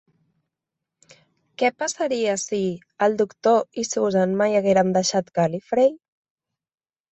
Què passaria si... el Doctor i Susan mai hagueren deixat Gallifrey?